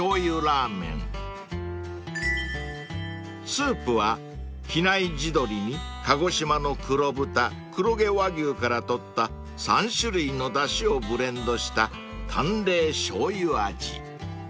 ［スープは比内地鶏に鹿児島の黒豚黒毛和牛から取った３種類のだしをブレンドした淡麗しょうゆ味］